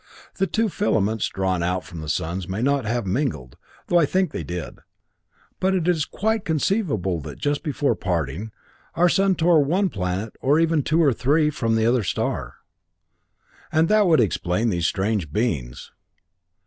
The two filaments drawn out from the suns may not have mingled, though I think they did, but it is quite conceivable that, just before parting, our sun tore one planet, or even two or three, from the other star. "And that would explain these strange beings.